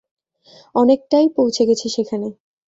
অনেকটাই পৌঁছে গেছি সেখানে!